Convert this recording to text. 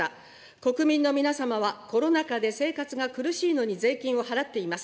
国民の皆様はコロナ禍で生活が苦しいのに税金を払っています。